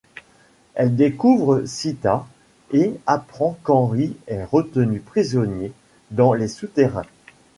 Elle découvre Seetha et apprend qu’Henri est retenu prisonnier dans les souterrains.